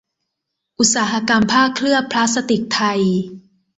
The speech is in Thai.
อุตสาหกรรมผ้าเคลือบพลาสติกไทย